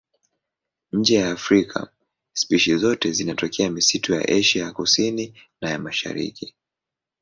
Nje ya Afrika spishi zote zinatokea misitu ya Asia ya Kusini na ya Mashariki.